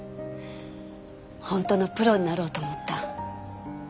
本当のプロになろうと思った。